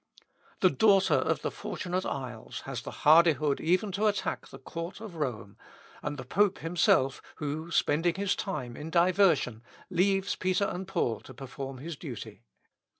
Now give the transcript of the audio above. The daughter of "the Fortunate Isles" has the hardihood even to attack the Court of Rome, and the pope himself, who, spending his time in diversion, leaves Peter and Paul to perform his duty.